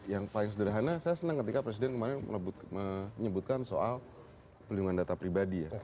yang paling sederhana saya senang ketika presiden kemarin menyebutkan soal pelindungan data pribadi ya